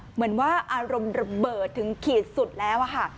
เหมือนว่าอารมณ์ระเบิดถึงขีดสุดแล้วค่ะ